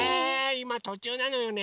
いまとちゅうなのよね。